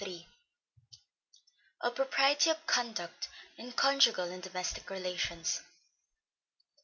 _Of propriety of conduct in conjugal and domestic relations.